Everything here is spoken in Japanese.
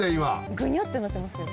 ぐにゃってなってますけど。